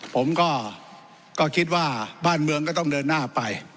ผมก็คิดว่าบ้านเมืองก็ต้องเดินหน้าไป